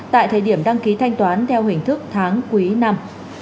tại thời điểm đăng ký thanh toán theo hình thức tháng cuối năm